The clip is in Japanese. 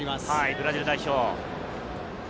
ブラジル代表。